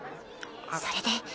それで？